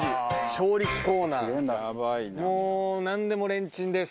もうなんでもレンチンです。